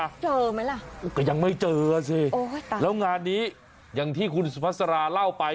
เจอไหมล่ะก็ยังไม่เจอสิแล้วงานนี้อย่างที่คุณสุภาษาราเล่าไป